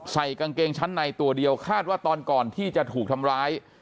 ใส่กางเกงชั้นในตัวเดียวคาดว่าตอนก่อนที่จะถูกทำร้าย